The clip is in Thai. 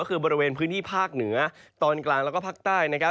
ก็คือบริเวณพื้นที่ภาคเหนือตอนกลางแล้วก็ภาคใต้นะครับ